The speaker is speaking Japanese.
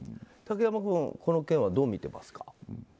竹山君この件はどう見てますか。